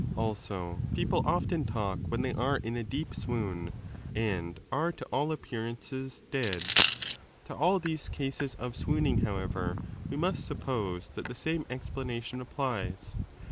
Also, people often talk when they are in a deep swoon and are to all appearances dead. To all these cases of swooning, however, we must suppose that the same explanation applies.